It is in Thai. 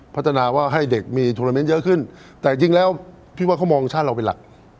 พัฒนาว่าให้เด็กมีโทรเมนต์เยอะขึ้นแต่จริงแล้วพี่ว่าเขามองชาติเราเป็นหลัก